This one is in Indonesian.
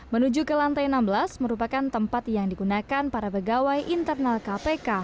menuju ke lantai enam belas merupakan tempat yang digunakan para pegawai internal kpk